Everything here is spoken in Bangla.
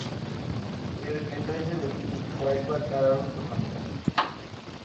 এর নেতা হিসেবে তিনি কয়েকবার কারারুদ্ধ হন।